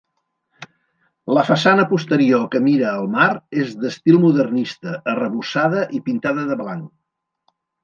La façana posterior, que mira al mar, és d'estil modernista, arrebossada i pintada de blanc.